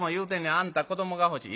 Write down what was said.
『あんた子どもが欲しい』。